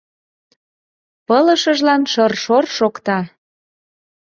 Пылышыжлан шыр-шор шокта.